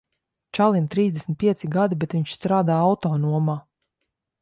Čalim trīsdesmit pieci gadi, bet viņš strādā autonomā.